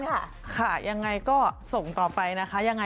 ไม่ต้องไม่ต้องเอายังไง